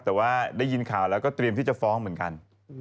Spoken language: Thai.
แต่ว่าได้ยินข่าวแล้วก็เตรียมที่จะฟ้องเหมือนกัน